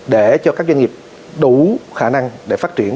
để cho các doanh nghiệp đủ khả năng để phát triển